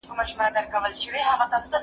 زه کولای سم مېوې وخورم،